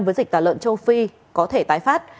với dịch tả lợn châu phi có thể tái phát